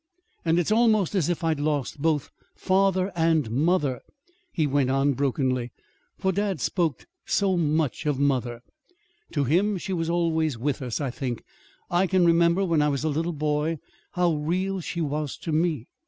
"And it's almost as if I'd lost both father and mother," he went on brokenly; "for dad talked so much of mother. To him she was always with us, I think. I can remember, when I was a little boy, how real she was to me.